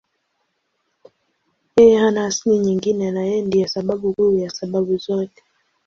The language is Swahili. Yeye hana asili nyingine na Yeye ndiye sababu kuu ya sababu zote.